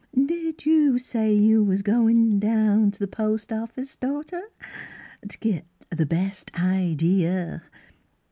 " Did you say you was goin' down t' th' post office, daughter, t' git the ' Best Idea